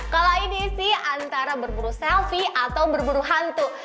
kalau ini sih antara berburu selfie atau berburu hantu